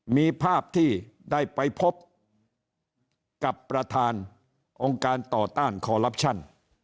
มีภาพที่ได้ไปพบกับประธานองค์การต่อต้านคอลลับชั่น